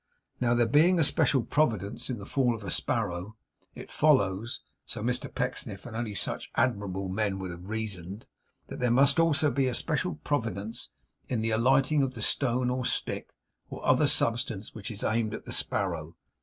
Now, there being a special Providence in the fall of a sparrow, it follows (so Mr Pecksniff, and only such admirable men, would have reasoned), that there must also be a special Providence in the alighting of the stone or stick, or other substance which is aimed at the sparrow.